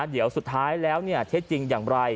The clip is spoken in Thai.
เดี๋ยวสุดท้ายแล้วเท็จจริงอย่างไร